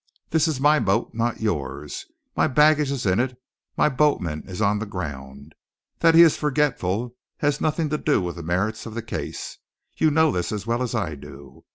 "This is my boat, not yours; my baggage is in it, my boatman is on the ground. That he is forgetful has nothing to do with the merits of the case. You know this as well as I do.